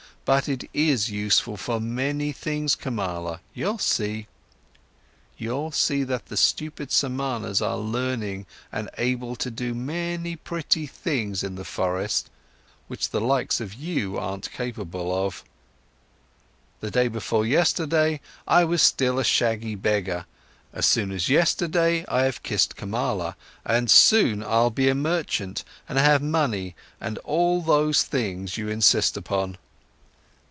But it is useful for many things, Kamala, you'll see. You'll see that the stupid Samanas are learning and able to do many pretty things in the forest, which the likes of you aren't capable of. The day before yesterday, I was still a shaggy beggar, as soon as yesterday I have kissed Kamala, and soon I'll be a merchant and have money and all those things you insist upon."